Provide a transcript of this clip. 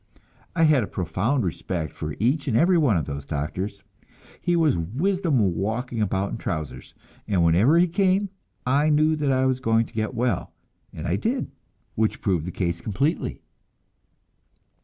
I had a profound respect for each and every one of those doctors. He was wisdom walking about in trousers, and whenever he came, I knew that I was going to get well; and I did, which proved the case completely.